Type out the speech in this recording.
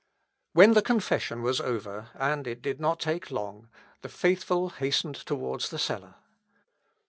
When the confession was over, and it did not take long, the faithful hastened towards the seller.